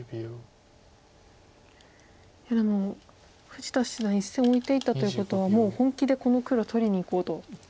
富士田七段１線オイていったということはもう本気でこの黒取りにいこうと。